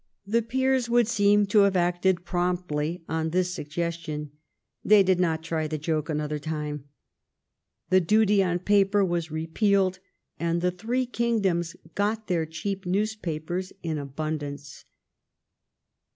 The peers would seem to have acted promptly upon this suggestion. They did not try the joke another time. The duty on paper was repealed, and the three kingdoms got their cheap news papers in abundance.